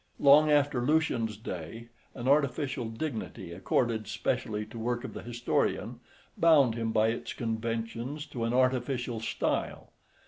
Long after Lucian's day an artificial dignity, accorded specially to work of the historian, bound him by its conventions to an artificial style.